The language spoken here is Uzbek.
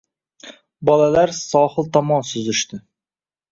Bolalar sohil tomon suzishdi